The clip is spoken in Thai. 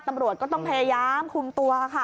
ตำรวจก็ต้องพยายามคุมตัวค่ะ